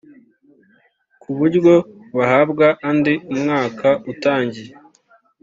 ku buryo bahabwa andi umwaka utangiye